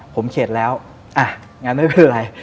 ผมเขตแล้วงานไม่เป็นไร